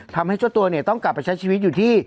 ทำให้เจ้าตัวเนี่ยต้องกลับไปใช้ชีวิตอยู่ที่